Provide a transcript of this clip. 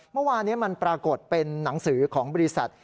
เมื่อวานนี้มันปรากฏเป็นหนังสือของบริษัท